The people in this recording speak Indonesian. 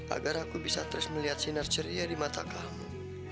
agar aku bisa terus melihat sinar ceria di mata kamu